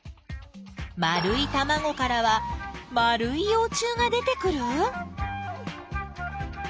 丸いたまごからは丸いよう虫が出てくる！？